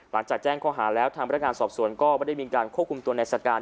หลังจากแจ้งข้อหาแล้วทางพนักงานสอบสวนก็ไม่ได้มีการควบคุมตัวในสการ